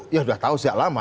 ya sudah tahu sejak lama